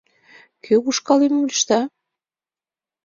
Кӧ ушкалемым лӱшта?